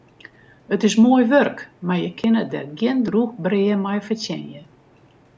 It is moai wurk, mar je kinne der gjin drûch brea mei fertsjinje.